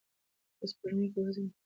په سپوږمۍ کې وزن کمیږي.